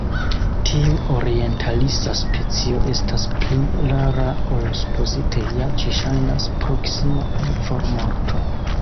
Tiu orientalisa specio estas pli rara ol supozite; ja ĝi ŝajnas proksima al formorto.